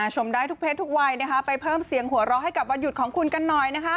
ชมได้ทุกเพศทุกวัยนะคะไปเพิ่มเสียงหัวเราะให้กับวันหยุดของคุณกันหน่อยนะคะ